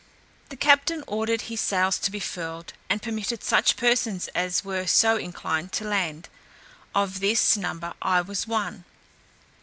The captain ordered his sails to be furled, and permitted such persons as were so inclined to land; of this number I was one.